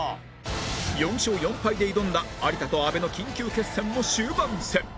４勝４敗で挑んだ有田と阿部の緊急決戦も終盤戦